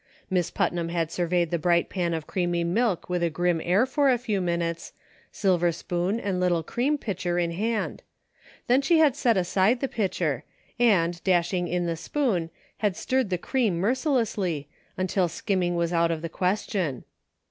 Miss Putnam had surveyed the bright pan of creamy milk with a grim air for a few minutes, silver spoon and little cream pitcher in hand ; then she had set aside the pitcher, and, dashing in the spoon, had stirred the cream merci lessly, until skimming was out of the question.